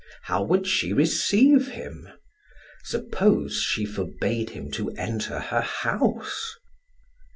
How would she receive him? Suppose she forbade him to enter her house?